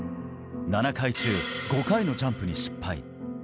７回中５回のジャンプに失敗。